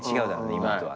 今とはね。